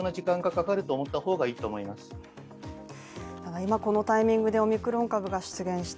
今このタイミングでオミクロン株が出現した。